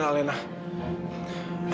itu bulan ras dan alena